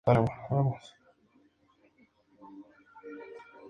Además deberá reconocer o negar categóricamente cada uno de los hechos.